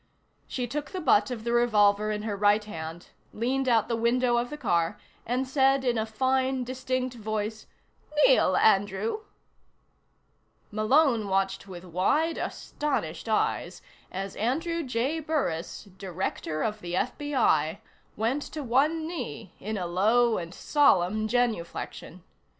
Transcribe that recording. She took the butt of the revolver in her right hand, leaned out the window of the car, and said in a fine, distinct voice: "Kneel, Andrew." Malone watched with wide, astonished eyes as Andrew J. Burris, Director of the FBI, went to one knee in a low and solemn genuflection.